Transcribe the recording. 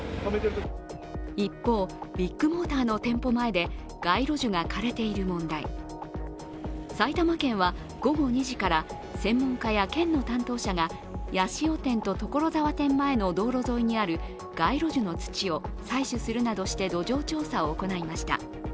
一方、ビッグモーターの店舗前で街路樹が枯れている問題、埼玉県は午後２時から専門家や県の担当者が八潮店と所沢店前の道路沿いにある街路樹の土を採取するなどして土壌調査を行いました。